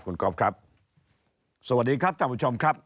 คุณก๊อฟครับสวัสดีครับท่านผู้ชมครับ